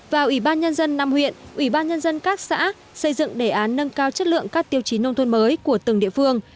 và ủy ban nhân dân năm huyện ủy ban nhân dân các xã xây dựng đề án nâng cao chất lượng các tiêu chí nông thôn mới của từng địa phương